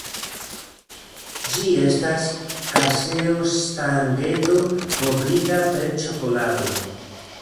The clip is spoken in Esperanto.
Ĝi estas kazeo-stangeto kovrita per ĉokolado.